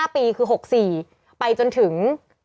๕ปีคือ๖๔ไปจนถึง